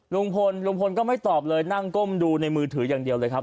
ลุงพลลุงพลก็ไม่ตอบเลยนั่งก้มดูในมือถืออย่างเดียวเลยครับ